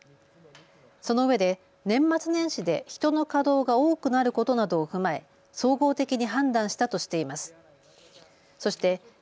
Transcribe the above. そのうえで年末年始で人の稼働が多くなることなどを踏まえ総合的に判断したとしています。